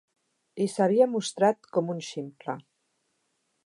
I s'havia mostrat com un ximple.